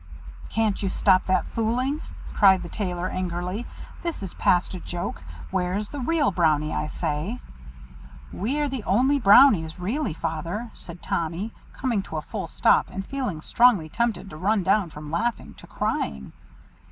"Can't you stop that fooling?" cried the Tailor, angrily. "This is past a joke. Where is the real Brownie, I say?" "We are the only Brownies, really, Father," said Tommy, coming to a full stop, and feeling strongly tempted to run down from laughing to crying.